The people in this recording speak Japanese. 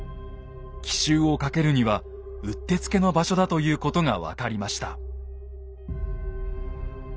奇襲をかけるにはうってつけの場所だということが分かりました。